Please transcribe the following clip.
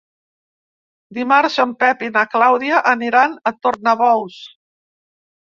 Dimarts en Pep i na Clàudia aniran a Tornabous.